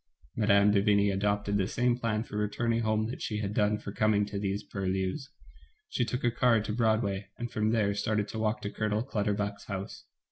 Mme. de Vigny adopted the same plan for returning home that she had done for coming to these purlieus. She took a car to Broad way, and from there started to walk to Colonel Clutterbuck's house.